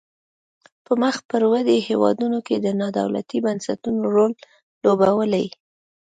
په مخ پر ودې هیوادونو کې نا دولتي بنسټونو رول لوبولای.